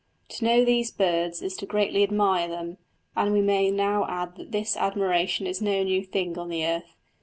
To know these birds is to greatly admire them, and we may now add that this admiration is no new thing on the earth.